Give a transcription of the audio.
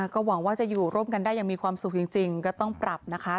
ก็หวังว่าจะอยู่ร่วมกันได้อย่างมีความสุขจริงก็ต้องปรับนะคะ